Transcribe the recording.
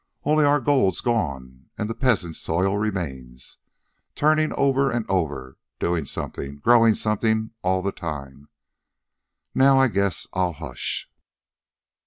Only our gold's gone, and the peasants' soil remains, turning over and over, doing something, growing something, all the time. Now, I guess I'll hush."